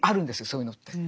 そういうのって。